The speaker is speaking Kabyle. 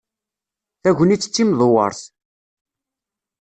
Tagnit d timdewweṛt.